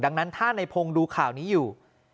ดังนั้นถ้าในพงศ์ดูข่าวนี้อยู่